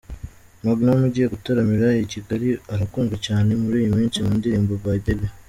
Magnom ugiye gutaramira i Kigali arakunzwe cyane muri iyi minsi mu ndirimbo "My Baby".